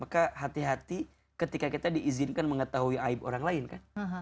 maka hati hati ketika kita diizinkan mengetahui aib orang lain kan